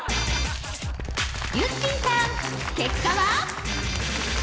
ゆってぃさん結果は。